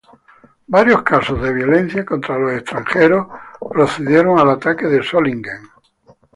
Varios casos de violencia contra los extranjeros precedieron al ataque de Solingen.